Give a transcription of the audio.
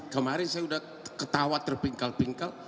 kemarin saya sudah ketawa terpingkal pingkal